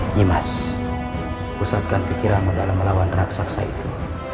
nyimas pusatkan kekiramu dalam melawan raksasa itu